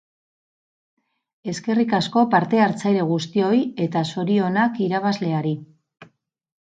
Eskerrik asko parte hartzaile guztioi eta zorionak irabazleari!